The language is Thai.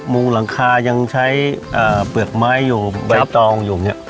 มุมหลังคายังใช้เปลือกไม้อยู่ใบตองอยู่อย่างนี้